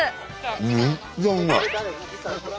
めっちゃうまい。